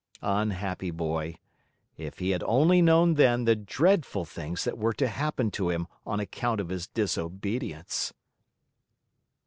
Unhappy boy! If he had only known then the dreadful things that were to happen to him on account of his disobedience!